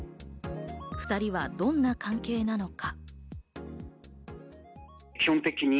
２人はどんな関係なのか？